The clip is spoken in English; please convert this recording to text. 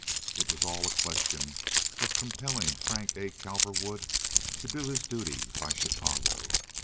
It was all a question of compelling Frank A. Cowperwood to do his duty by Chicago.